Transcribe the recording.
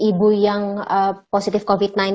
ibu yang positif covid sembilan belas